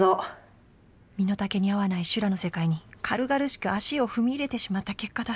「身の丈に合わない修羅の世界に軽々しく足を踏み入れてしまった結果だ」。